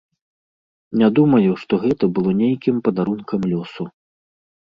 Не думаю, што гэта было нейкім падарункам лёсу.